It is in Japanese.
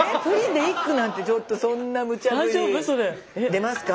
出ますか？